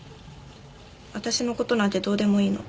私の事なんてどうでもいいの。